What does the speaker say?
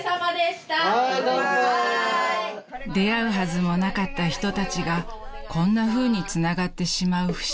［出会うはずもなかった人たちがこんなふうにつながってしまう不思議］